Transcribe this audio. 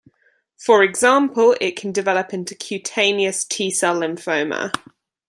For example, it can develop into cutaneous T-cell lymphoma.